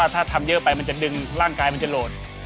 ถ้าทำเยอะไปมันจะดึงร่างกายมันจะโหลด